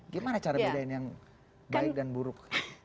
gimana cara bedain yang baik dan buruk